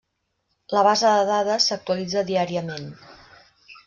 La base de dades s'actualitza diàriament.